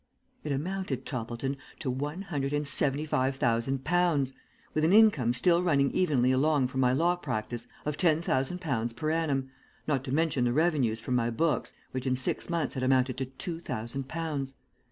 It amounted, Toppleton, to one hundred and seventy five thousand pounds, with an income still running evenly along from my law practice of ten thousand pounds per annum, not to mention the revenues from my books, which in six months had amounted to two thousand pounds.